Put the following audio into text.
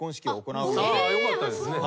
よかったですね。